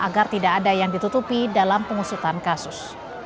agar tidak ada yang ditutupi dalam pengusutan kasus